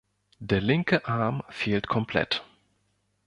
Der linke Arm fehlt komplett.